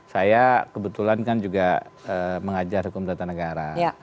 saya kebetulan kan juga mengajar hukum data negara